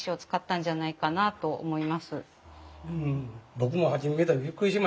僕も初め見た時びっくりしましたよ。